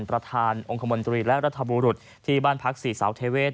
ประธานองค์คมนตรีและรัฐบุรุษที่บ้านพักศรีสาวเทเวศ